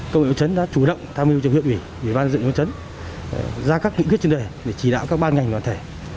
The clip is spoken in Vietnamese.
công nghệ quân chấn đã chủ động tham mưu trong huyện ủy ủy ban dựng quân chấn ra các kỹ quyết trên đời để chỉ đạo các ban ngành đoàn thể